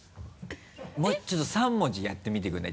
もうちょっと３文字やってみてくれない？